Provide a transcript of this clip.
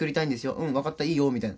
「うんわかったいいよ」みたいな。